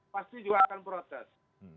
pasti juga akan protes